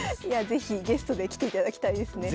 是非ゲストで来ていただきたいですね。